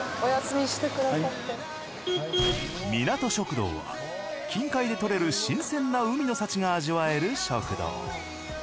みなと食堂は近海で獲れる新鮮な海の幸が味わえる食堂。